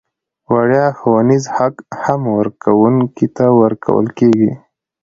وړیا ښوونیز حق هم کارکوونکي ته ورکول کیږي.